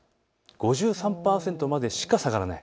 ５３％までしか下がらない。